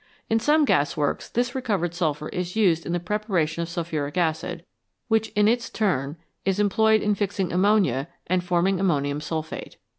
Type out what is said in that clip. In some gasworks this recovered sulphur is used in the pre paration of sulphuric acid, which in its turn is employed in fixing ammonia and forming ammonium sulphate.